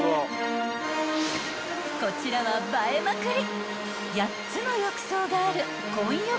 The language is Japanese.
［こちらは映えまくり！］